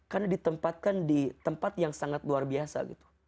karena ditempatkan di tempat yang sangat luar biasa